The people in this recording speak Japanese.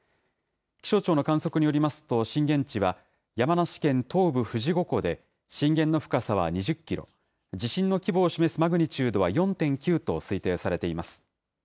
気象庁の観測によりますと、震源地は山梨県東部富士五湖で、震源の深さは２０キロ、地震の規模を示すマグニチュードは４．９と推定されています。